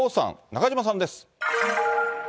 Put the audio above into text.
中島さんです。